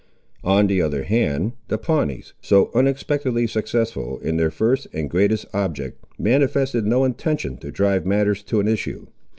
On the other hand, the Pawnees, so unexpectedly successful in their first and greatest object, manifested no intention to drive matters to an issue.